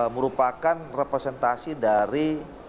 merupakan representasi dari